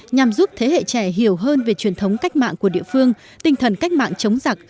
nhằm giúp thế hệ trẻ hiểu hơn về truyền thống cách mạng của địa phương tinh thần cách mạng chống giặc